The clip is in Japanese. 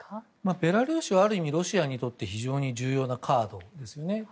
ベラルーシは、ある意味ロシアにとって非常に重要なカードなんですよね。